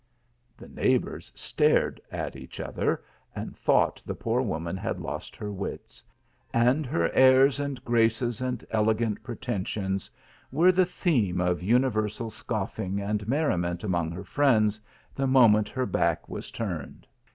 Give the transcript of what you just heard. The neighbours stared at each other, and thought the poor woman had lost her wits, and her airs and graces and elegant pretensions were the theme of universal scoffing and merriment among her friends, the moment her back was turned.